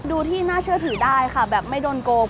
ดูที่น่าเชื่อถือได้ค่ะแบบไม่โดนโกง